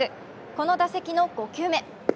この打席の５球目。